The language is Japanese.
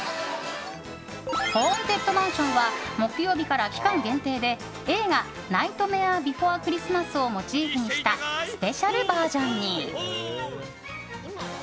ホーンテッドマンションは木曜日から期間限定で映画「ナイトメアー・ビフォア・クリスマス」をモチーフにしたスペシャルバージョンに。